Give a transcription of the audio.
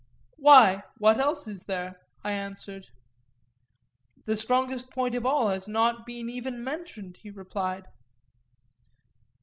Why, what else is there? I answered. The strongest point of all has not been even mentioned, he replied.